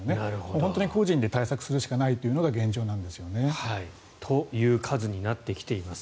本当に個人で対策するしかないというのが現状なんですよね。という数になってきています。